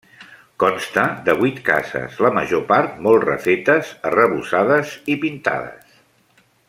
Consta de vuit cases, la major part molt refetes, arrebossades i pintades.